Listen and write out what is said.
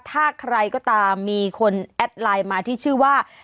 ถ้าใครก็ตามมีคนแอดไลน์มาที่ชื่อว่า